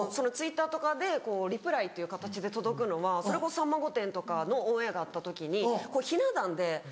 ツイッターとかでリプライっていう形で届くのはそれこそ『さんま御殿‼』とかのオンエアがあった時にひな壇で。